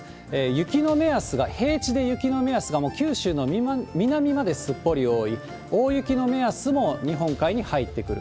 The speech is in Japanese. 雪の目安が、平地で雪の目安が、もう九州の南まですっぽり覆い、大雪の目安も日本海に入ってくる。